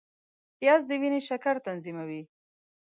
پیاز د وینې شکر تنظیموي